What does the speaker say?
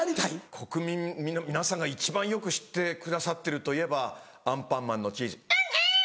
国民皆さんが一番よく知ってくださってるといえば『アンパンマン』のチーズ「アンアン」。